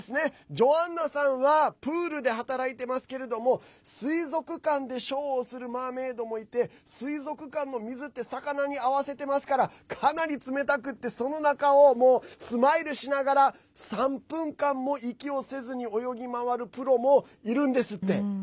ジョアンナさんはプールで働いていますけれども水族館でショーをするマーメードもいて水族館の水って魚に合わせてますからかなり冷たくてその中を、スマイルしながら３分間も息をせずに泳ぎ回るプロもいるんですって。